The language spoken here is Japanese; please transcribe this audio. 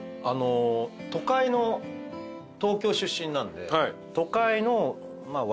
都会の東京出身なんで。